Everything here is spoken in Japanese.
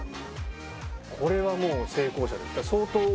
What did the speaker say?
これはもう成功者です。